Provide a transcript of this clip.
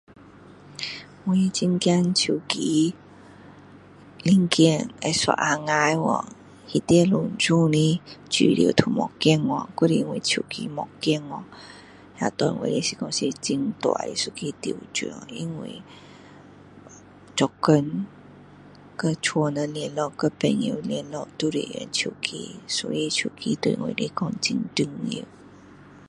我很怕手机也一下坏掉里面全部的资料都不见去还是我的手机不见去这对我来讲是一个很大的挑战因为做工和家里人联络和朋友们联络都是用手机所以手机对我来讲很重要